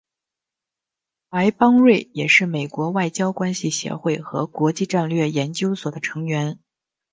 白邦瑞也是美国外交关系协会和国际战略研究所的成员。